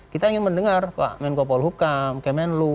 kita ingin mendengar pak menko paul hukam kemen lu